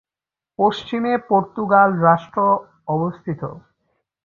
পশ্চিমে পর্তুগাল রাষ্ট্র অবস্থিত।